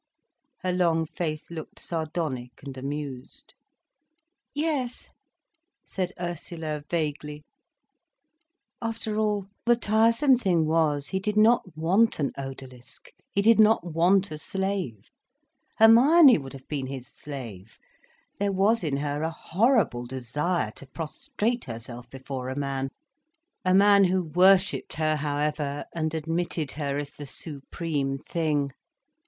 Her long face looked sardonic and amused. "Yes," said Ursula vaguely. After all, the tiresome thing was, he did not want an odalisk, he did not want a slave. Hermione would have been his slave—there was in her a horrible desire to prostrate herself before a man—a man who worshipped her, however, and admitted her as the supreme thing.